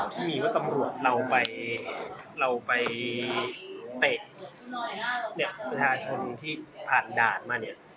ที่มีว่าตำรวจเราไปเราไปเตะเนี่ยประชาชนที่ผ่านด่านมาเนี่ย